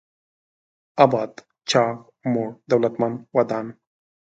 اباد: چاغ، موړ، دولتمن، ودان